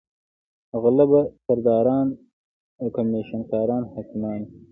غله به سرداران او کمېشن کاران حاکمان وي.